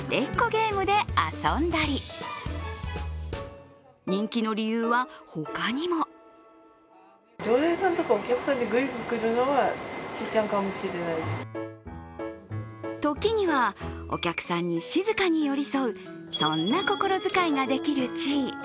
ゲームで遊んだり人気の理由は他にも時にはお客さんに静かに寄り添う、そんな心遣いができるチー。